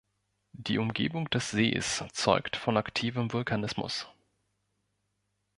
Die Umgebung des Sees zeugt von aktivem Vulkanismus.